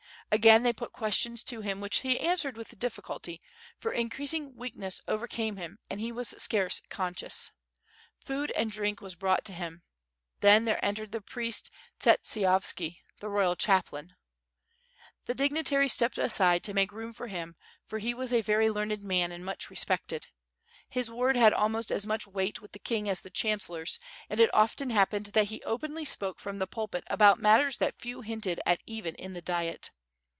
Again they put questions to him which he answered with difficulty, for increasing weakness overcame him, and he was scarce conscious. Food and drink was brought to him. Then there entered the priest Tsietsishovski, the royal chaplain. The dignitaries stepped aside to make room for him, for he was a very learned man and much respected. His word had almost as much weight with the king as the chancellor's, and it often happened that he openly spoke from the pulpit about matters that few hinted at even in the Diet.